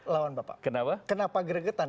lawan bapak kenapa kenapa geregetan